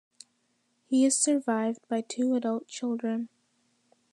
He is survived by two adult children.